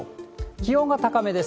気温が高めです。